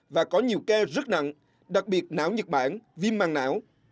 và có nhiều ca rất nặng đặc biệt não nhật bản viêm măng não